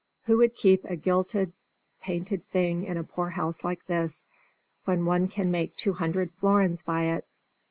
Who would keep a gilded, painted thing in a poor house like this, when one can make two hundred florins by it?